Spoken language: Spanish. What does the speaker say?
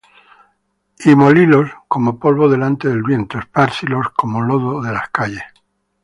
Y molílos como polvo delante del viento; Esparcílos como lodo de las calles.